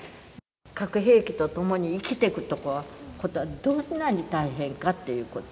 核兵器と共に生きていくことはどんなに大変かっていうこと。